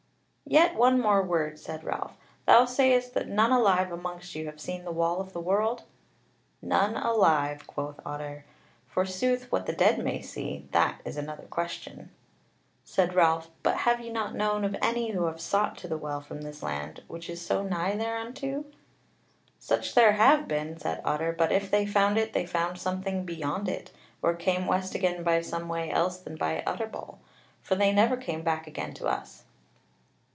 "Yet one more word," said Ralph; "thou sayest that none alive amongst you have seen the Wall of the World?" "None alive," quoth Otter; "forsooth what the dead may see, that is another question." Said Ralph: "But have ye not known of any who have sought to the Well from this land, which is so nigh thereunto?" "Such there have been," said Otter; "but if they found it, they found something beyond it, or came west again by some way else than by Utterbol; for they never came back again to us."